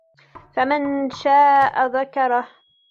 فَمَنْ شَاءَ ذَكَرَهُ